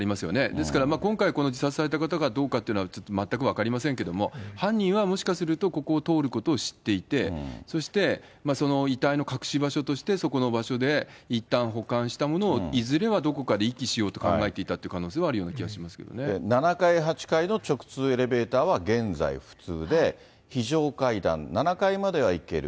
ですから、今回、この自殺された方がどうかっていうのは、ちょっと全く分かりませんけど、犯人はもしかすると、ここを通ることを知っていて、そしてその遺体の隠し場所としてそこの場所でいったん保管したものをいずれはどこかで遺棄しようと考えていたという可能性はある７階、８階の直通エレベーターは現在不通で、非常階段、７階までは行ける。